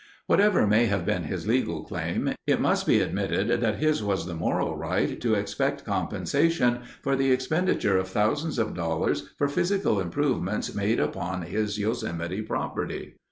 Whatever may have been his legal claim, it must be admitted that his was the moral right to expect compensation for the expenditure of thousands of dollars for physical improvements made upon his Yosemite property.